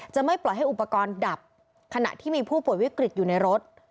ไม่ปล่อยให้อุปกรณ์ดับขณะที่มีผู้ป่วยวิกฤตอยู่ในรถ